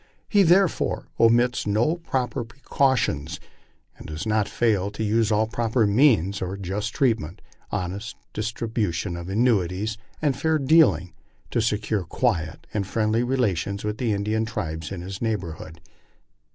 He therefore omits no proper precautions, and does not fail to use all proper means, by just treatment, honest distribution of annuities, and fair dealing, to secure quiet and friendly relations with the Indian tribes in his neighborhood.